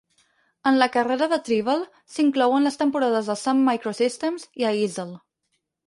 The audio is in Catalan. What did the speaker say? En la carrera de Tribble s'inclouen les temporades a Sun Microsystems i a Eazel.